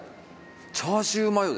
チャーシューマヨ。